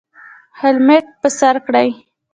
هیلمټ په سر کړئ